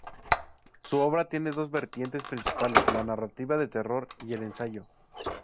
Su obra tiene dos vertientes principales: la narrativa de terror y el ensayo.